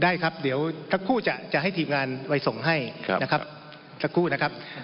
ได้ครับฆ่าทั้งคู่จะให้ทีบงานส่งให้ฆ่าคู่นะครับ